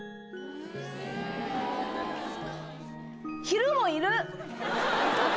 昼もいる。